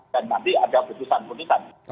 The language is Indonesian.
dan nanti ada keputusan penulisan